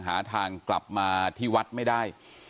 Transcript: หาทางกลับมาที่วัดไม่ได้